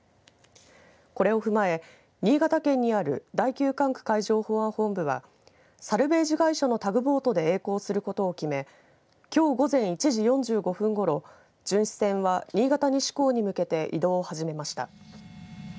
これを踏まえ、新潟県にある第９管区海上保安本部はサルベージ会社のタグボートでえい航することを決めきょう午前１時４５分ごろ巡視船は新潟西港に向けて移動を始めました。